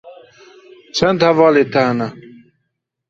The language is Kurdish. Çend hevalên te hene?